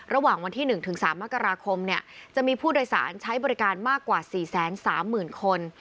ระหว่างวันที่๑๓มกราคมจะมีผู้โดยสารใช้บริการมากกว่า๔๓๐๐๐คน